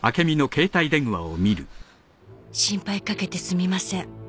「心配かけてすみません。